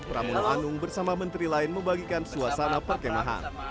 pramono anung bersama menteri lain membagikan suasana perkemahan